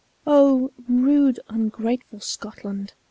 Oh! rude ungrateful Scotland!